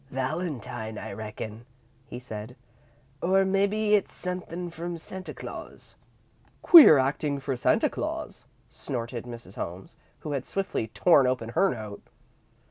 "Valentine, I reckon," he said, "or mebbe it's sunthin' from Santa Claus." "Queer acting for Santa Claus," snorted Mrs. Holmes, who had swiftly torn open her note.